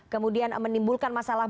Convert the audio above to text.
kemudian menimbulkan masalah